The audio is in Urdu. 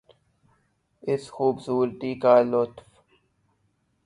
اس خوبصورتی کا لطف